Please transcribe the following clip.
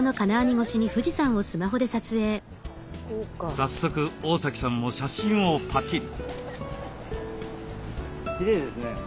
早速大崎さんも写真をパチリ。